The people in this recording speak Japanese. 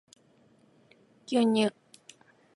牛乳